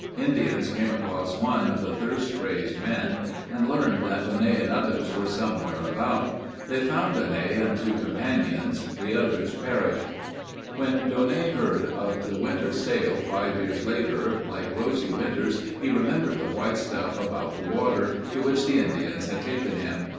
Indians came across one of the thirst crazed men and learned that Daunet and others were somewhere about. They found Daunet and two companions. The others perished. When Daunet heard of the Winters sale five years later, like Rosie Winters he remembered the white stuff about the water, to which the Indians had taken him.